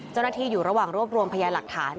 เจ้าหน้าที่อยู่ระหว่างรวบรวมพยานหลักฐาน